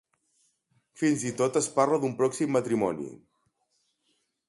Fins i tot es parla d'un pròxim matrimoni.